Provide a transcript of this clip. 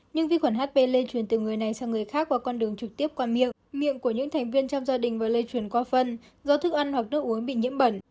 nhưng vi khuẩn hp lây truyền từ người này sang người khác qua con đường trực tiếp qua miệng miệng của những thành viên trong gia đình và lây truyền qua phân do thức ăn hoặc nước uống bị nhiễm bẩn